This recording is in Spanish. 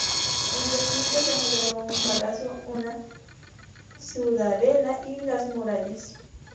En el yacimiento se han hallado un palacio, una ciudadela y las murallas.